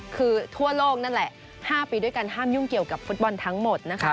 คือทั่วโลกนั่นแหละ๕ปีด้วยการห้ามยุ่งเกี่ยวกับฟุตบอลทั้งหมดนะคะ